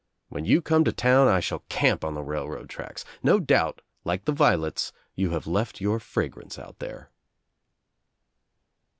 When you come to town I shall camp on the railroad tracks. No doubt, like the violets, you have left your fragrance out there."